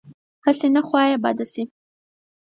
هسې نه خوا یې بده شي.